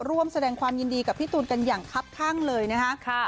ร่วมแสดงความยินดีกับพี่ตูนกันอย่างคับข้างเลยนะคะ